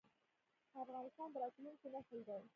افغانستان د راتلونکي نسل دی